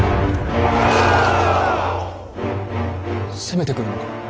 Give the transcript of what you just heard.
攻めてくるのか。